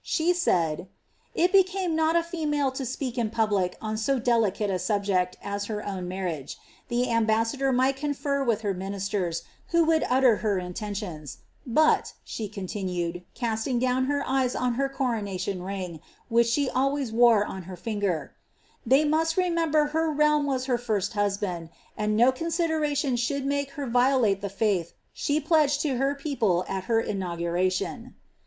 She said, " It became not a female it> Sjieak in public on so tlelicaie a subject as her own marriage ; the anibitssiidor might cotiTer witli her ministers, who would utter ber intentions) but," she conli nued, casting down her eyes on her corona lion ring, which she always wore on her finger, « they must remember her realm was ber first hus band, and no consideration should make her violate ibe faiih she pledged to her people at her inauguraiion."